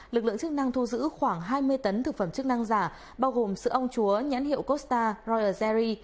lực lượng chức năng thu giữ khoảng hai mươi tấn thực phẩm chức năng giả bao gồm sữa ong chúa nhãn hiệu costa royer zerry